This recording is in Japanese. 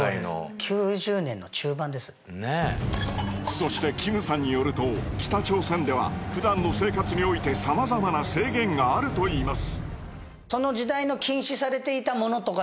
そしてキムさんによると北朝鮮では普段の生活においてさまざまな制限があると言います。